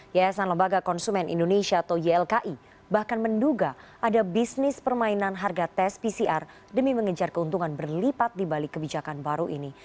yayasan lembaga konsumen indonesia atau ylki bahkan menduga ada bisnis permainan harga tes pcr demi mengejar keuntungan berlipat di balik kebijakan baru ini